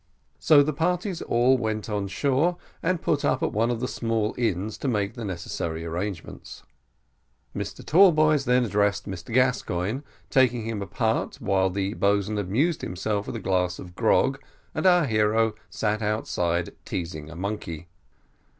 So the parties all went on shore, and put up at one of the small inns to make the necessary arrangements. Mr Tallboys then addressed Mr Gascoigne, taking him apart while the boatswain amused himself with a glass of grog, and our hero sat outside teasing a monkey.